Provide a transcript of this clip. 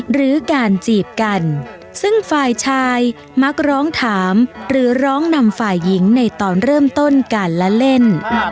หรือการจีบกันซึ่งฝ่ายชายมักร้องถามหรือร้องนำฝ่ายหญิงในตอนเริ่มต้นการละเล่น